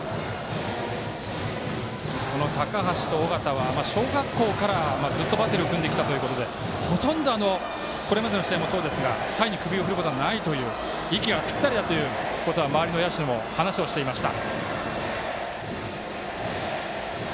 高橋と尾形は小学校からずっとバッテリーを組んできたということでほとんど、これまでの試合もサインに首を振ることはないと息がぴったりだということは周りの野手も話をしていました。